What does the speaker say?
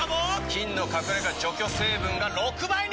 菌の隠れ家除去成分が６倍に！